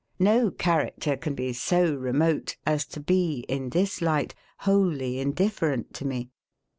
No character can be so remote as to be, in this light, wholly indifferent to me.